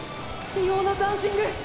異様なダンシング！